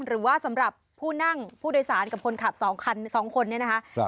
หรือว่าสำหรับผู้นั่งผู้โดยสารกับคนขับ๒คัน๒คนเนี่ยนะคะ